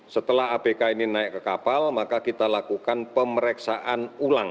setelah abk ini naik ke kapal maka kita lakukan pemeriksaan ulang